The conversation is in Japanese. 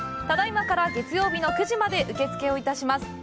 ただいまから月曜日の９時まで受け付けをいたします。